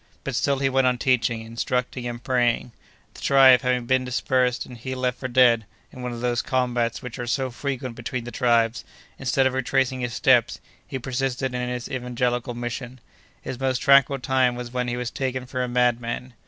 But still he went on teaching, instructing, and praying. The tribe having been dispersed and he left for dead, in one of those combats which are so frequent between the tribes, instead of retracing his steps, he persisted in his evangelical mission. His most tranquil time was when he was taken for a madman.